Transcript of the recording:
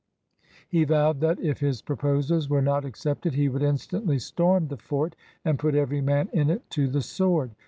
He vowed that, if his proposals were not accepted, he would instantly storm the fort, and put every man in it to the sword.